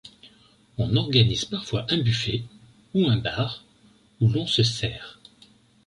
On organise parfois un buffet, ou un bar, où l'on se sert.